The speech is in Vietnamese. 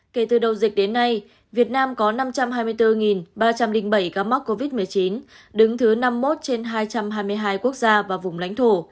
kể từ đầu dịch đến nay việt nam có năm trăm hai mươi bốn ba trăm linh bảy ca mắc covid một mươi chín đứng thứ năm mươi một trên hai trăm hai mươi hai quốc gia và vùng lãnh thổ